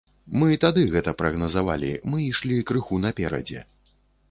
Мы тады гэта прагназавалі, мы ішлі крыху наперадзе.